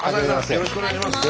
よろしくお願いします。